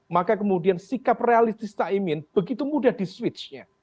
maka kemudian sikap realistis caimin begitu mudah di switch